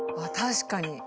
確かに。